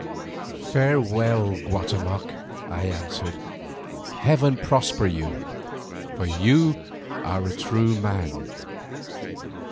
"Farewell, Guatemoc," I answered "heaven prosper you, for you are a true man."